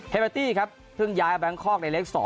เฮเมตตี้ครับเพิ่งย้ายแบงค์คอร์กในเล็กส์๒